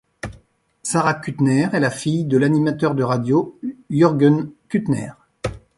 Sarah Kuttner est la fille de l'animateur de radio Jürgen Kuttner.